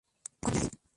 ¿comía él?